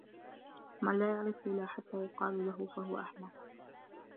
مَنْ لَا يَعْرِفُ لَا حَتَّى يُقَالَ لَهُ لَا فَهُوَ أَحْمَقُ